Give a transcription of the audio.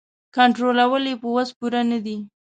کنټرولول یې په وس پوره نه دي.